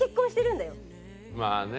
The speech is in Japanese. まあね。